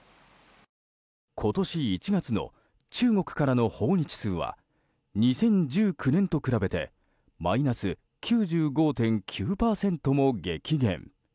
今年１月の中国からの訪日数は２０１９年と比べてマイナス９５．９％も激減。